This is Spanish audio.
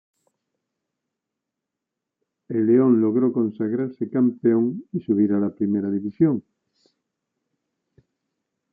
El León logró consagrarse campeón y subir a la Primera División.